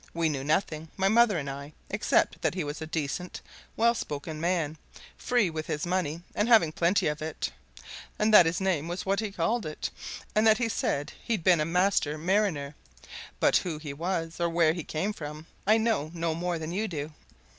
We knew nothing, my mother and I, except that he was a decent, well spoken man, free with his money and having plenty of it, and that his name was what he called it, and that he said he'd been a master mariner. But who he was, or where he came from, I know no more than you do."